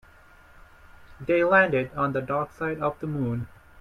They landed on the dark side of the moon.